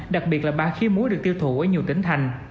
đặc biệt là ba khía muối được tiêu thụ ở nhiều tỉnh thành